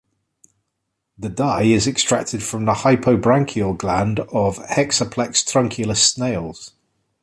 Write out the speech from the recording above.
The dye is extracted from the hypobranchial gland of "Hexaplex trunculus" snails.